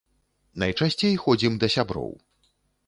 Найчасцей ходзім да сяброў.